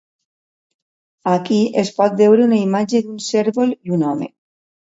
Aquí es pot veure una imatge d'un cérvol i un home.